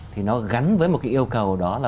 thì nó gắn với một cái yêu cầu đó là